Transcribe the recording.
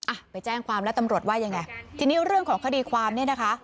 อ่ะไปแจ้งความแล้วตำรวจว่ายังไงทีนี้เรื่องของคดีความเนี่ยนะคะ